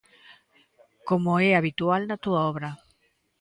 Como é habitual na túa obra.